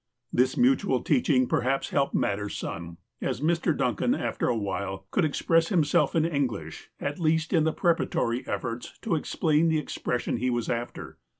This mutual teaching perhaps helped matters some, as Mr. Duncan, after a while, could express himself in Eng lish, at least in preparatory efforts to explain the expres sion he was after.